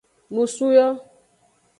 Nusu yo.